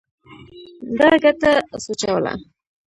ده ګټه سوچوله.